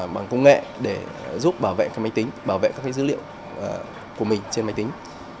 bằng công nghệ để giúp bảo vệ các máy tính bảo vệ các dữ liệu của mình trên máy tính